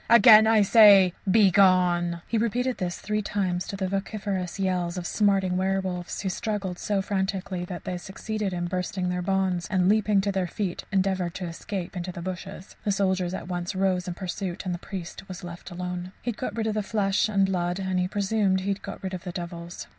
Again I say, Begone!" He repeated this three times to the vociferous yells of the smarting werwolves, who struggled so frantically that they succeeded in bursting their bonds, and, leaping to their feet, endeavoured to escape into the bushes. The soldiers at once rose in pursuit and the priest was left alone. He had got rid of the flesh and blood, and he presumed he had got rid of the devils.